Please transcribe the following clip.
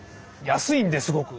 安いんですごく。